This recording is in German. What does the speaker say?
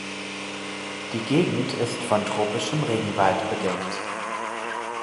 Die Gegend ist von tropischem Regenwald bedeckt.